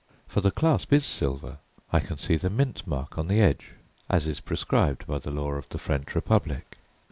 For the clasp is silver; I can see the mint mark on the edge, as is prescribed by the law of the French Republic.